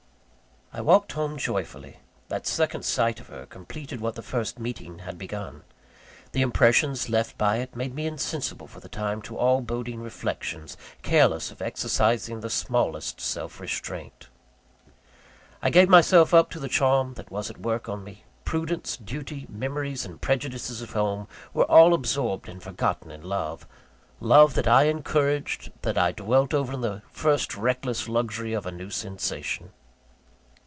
I walked homeward joyfully. That second sight of her completed what the first meeting had begun. The impressions left by it made me insensible for the time to all boding reflections, careless of exercising the smallest self restraint. I gave myself up to the charm that was at work on me. Prudence, duty, memories and prejudices of home, were all absorbed and forgotten in love love that I encouraged, that I dwelt over in the first reckless luxury of a new sensation.